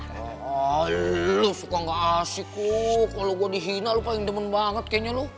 aduh lu suka gak asik kok kalau gue dihina lo paling demen banget kayaknya lu